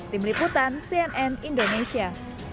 tim liputan cnn indonesia